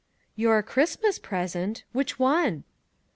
" Your ' Christmas present '! Which one?